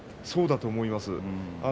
そうだと思います。